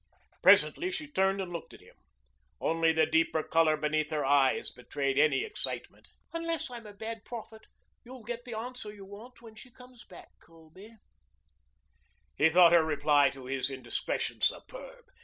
Presently she turned and looked at him. Only the deeper color beneath her eyes betrayed any excitement. "Unless I'm a bad prophet you'll get the answer you want when she comes back, Colby." He thought her reply to his indiscretion superb.